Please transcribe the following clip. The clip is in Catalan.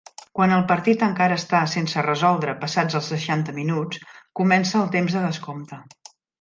Quan el partit encara està sense resoldre passats els seixanta minuts, comença el temps de descompte.